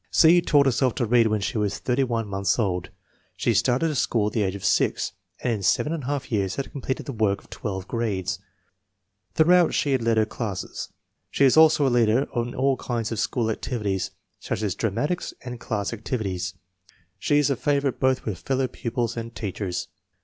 C. taught herself to read when she was 31 months old. She started to school at the age of 6 9 and in seven and a half years had completed the work of twelve grades. Throughout she has led her classes. She is also a leader in all kinds of school activities, such as dramatics and class activities. She is a favorite both with fellow pupils and teachers.